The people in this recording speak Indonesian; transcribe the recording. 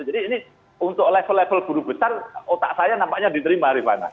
jadi ini untuk level level buru besar otak saya nampaknya diterima rwana